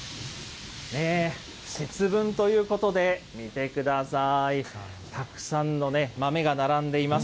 節分ということで、見てください、たくさんの豆が並んでいます。